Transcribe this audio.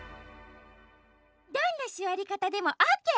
どんなすわりかたでもオッケー！